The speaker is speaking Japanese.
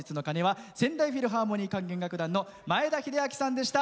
仙台フィルハーモニー楽団の前田秀明さんでした。